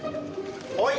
おい！